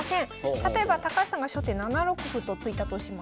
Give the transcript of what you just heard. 例えば高橋さんが初手７六歩と突いたとします。